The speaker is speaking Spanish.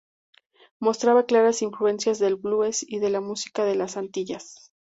Mostraba claras influencias del blues y de la música de las Antillas.